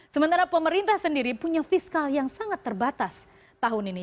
sementara pemerintah sendiri punya fiskal yang sangat terbatas tahun ini